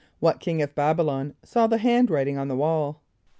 = What king of B[)a]b´[)y] lon saw the hand writing on the wall?